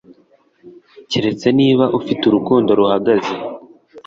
keretse niba ufite urukundo ruhagaze